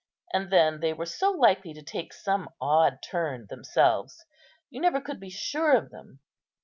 And then they were so likely to take some odd turn themselves; you never could be sure of them.